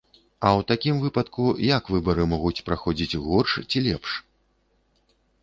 А ў такім выпадку, як выбары могуць праходзіць горш ці лепш?